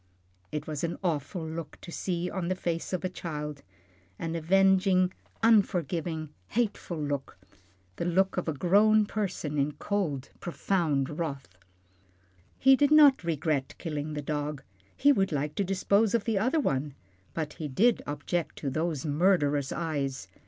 It was an awful look to see on the face of a child, an avenging, unforgiving, hateful look, the look of a grown person in cold, profound wrath. He did not regret killing the dog, he would like to dispose of the other one, but he did object to those murderous eyes.